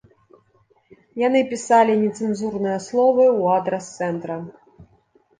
Яны пісалі нецэнзурныя словы ў адрас цэнтра.